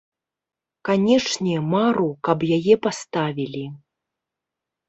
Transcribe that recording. Канечне, мару, каб яе паставілі.